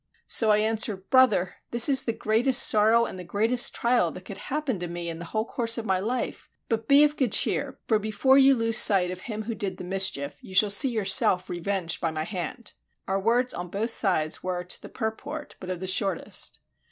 So I answered, "Brother, this is the greatest sorrow and the greatest trial that could happen to me in the whole course of my life. But be of good cheer; for before you lose sight of him who did the mischief, you shall see yourself revenged by my hand." Our words on both sides were to the purport, but of the shortest.